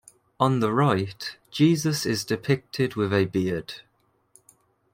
On the right, Jesus is depicted with a beard.